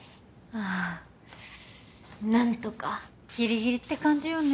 あ何とかギリギリって感じよね